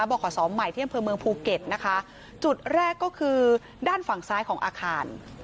บศหมายเที่ยงพืเมืองภูเก็ตนะคะจุดแรกก็คือด้านฝั่งซ้ายของอาคาร